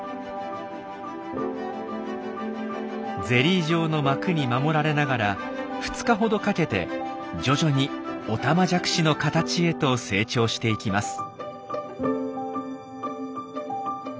ゼリー状の膜に守られながら２日ほどかけて徐々にオタマジャクシの形へと成長していきます。